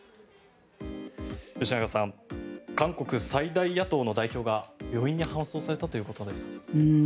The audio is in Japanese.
吉永さん、韓国最大野党の代表が病院に搬送されたということです。